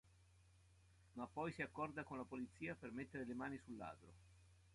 Ma poi si accorda con la polizia per mettere le mani sul ladro.